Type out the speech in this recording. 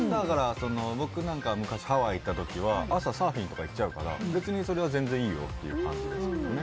僕なんか、昔ハワイに行った時は朝サーフィンとか行っちゃうからそれは全然いいよって感じですね。